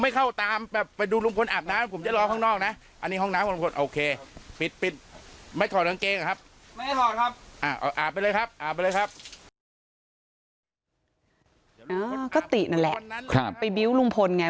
ก็ตินั่นแหละไปบิ้วลุงพลไง